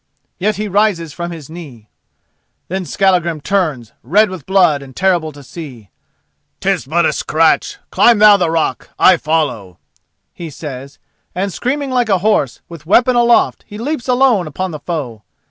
Yet he rises from his knee. Then Skallagrim turns, red with blood and terrible to see. "'Tis but a scratch. Climb thou the rock—I follow," he says, and, screaming like a horse, with weapon aloft he leaps alone upon the foe.